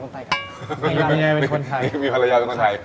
นี่มีภรรยาคนไทย